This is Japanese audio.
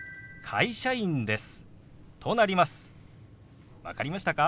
会社員です。